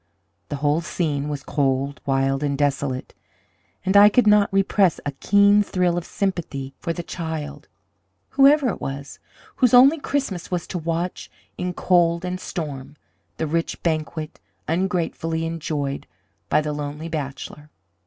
The whole scene was cold, wild, and desolate, and I could not repress a keen thrill of sympathy for the child, whoever it was, whose only Christmas was to watch, in cold and storm, the rich banquet ungratefully enjoyed by the lonely bachelor.